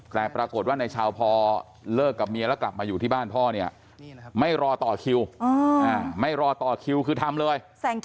แต่ปรากฏว่าในชาวพอเลิกกับเมียแล้วกลับมาอยู่ที่บ้านพ่อเนี่ยไม่รอต่อคิวไม่รอต่อคิวคือทำเลย